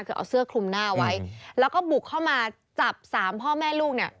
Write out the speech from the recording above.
คือเอาเสื้อคลุมหน้าไว้แล้วก็บุกเข้ามาจับสามพ่อแม่ลูกเนี่ย